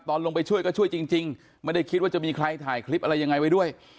ลงไปช่วยก็ช่วยจริงไม่ได้คิดว่าจะมีใครถ่ายคลิปอะไรยังไงไว้ด้วย